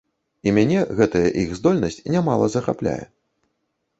І мяне гэтая іх здольнасць нямала захапляе.